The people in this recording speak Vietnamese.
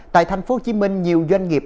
tại tp hcm nhiều doanh nghiệp